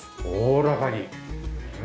おおらかに。